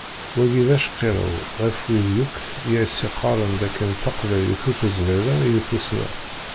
Wagi d acqirrew ɣef wid yakk i as-iqqaren d akken taqbaylit ur tezmir ara i tussna.